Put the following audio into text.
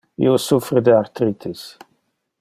Io suffre de arthritis.